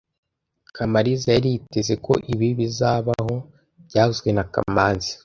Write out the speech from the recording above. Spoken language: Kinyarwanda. Kamaliza yari yiteze ko ibi bizabaho byavuzwe na kamanzi